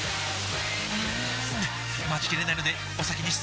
うーん待ちきれないのでお先に失礼！